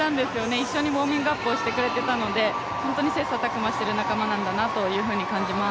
一緒にウォーミングアップをしてくれていたので本当に切磋琢磨している仲間なんだなと感じます。